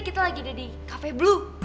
kita lagi ada di cafe blue